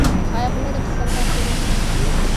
ایا پوهیږئ چې سرطان څه دی؟